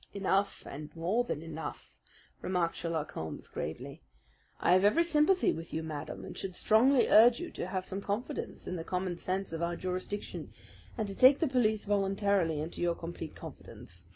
"Enough and more than enough," remarked Sherlock Holmes gravely. "I have every sympathy with you, madam, and should strongly urge you to have some confidence in the common sense of our jurisdiction and to take the police voluntarily into your complete confidence.